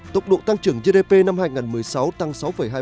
tốc độ tăng trưởng gdp năm hai nghìn một mươi sáu tăng sáu hai mươi sáu